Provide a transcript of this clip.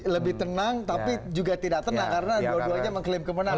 lebih tenang tapi juga tidak tenang karena dua duanya mengklaim kemenangan